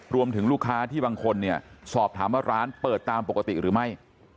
รวมถึงลูกค้าที่บางคนเนี่ยสอบถามว่าร้านเปิดตามปกติหรือไม่